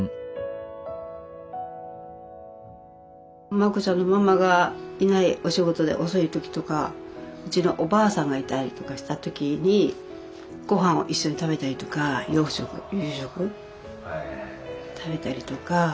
マコちゃんのママがいないお仕事で遅い時とかうちのおばあさんがいたりとかした時にごはんを一緒に食べたりとか夕食食べたりとか。